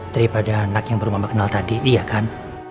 daripada anak yang baru mamah kenal tadi iya kan